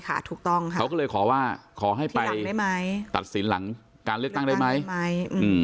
เขาก็เลยขอว่าขอให้ไปตัดสินหลังการเลือกตั้งได้ไหม